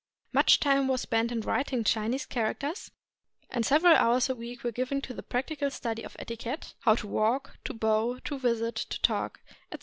Much time was spent in writing Chinese characters, and several hours a week were given to the practical study of etiquette, how to walk, to bow, to visit, to talk, etc.